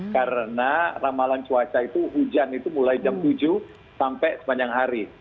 karena ramalan cuaca itu hujan itu mulai jam tujuh sampai sepanjang hari